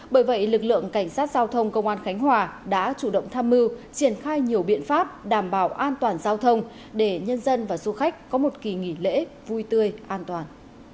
bởi vậy lực lượng cảnh sát giao thông công an khánh hòa đã chủ động tham mưu triển khai nhiều biện pháp đảm bảo an toàn giao thông để nhân dân và du khách có một kỳ nghỉ lễ vui tươi an toàn